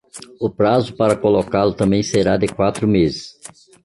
O prazo para colocá-lo também será de quatro meses.